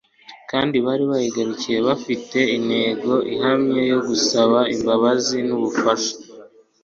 kandi bari bayigarukiye bafite intego ihamye yo gusaba imbabazi n'ubufasha